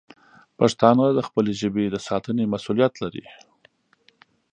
پښتانه د خپلې ژبې د ساتنې مسوولیت لري.